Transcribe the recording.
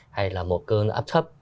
hay là một cơn áp thấp